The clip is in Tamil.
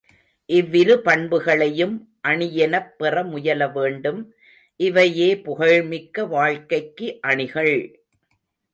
இவ்விரு பண்புகளையும் அணியெனப் பெற முயலவேண்டும், இவையே புகழ்மிக்க வாழ்க்கைக்கு அணிகள்!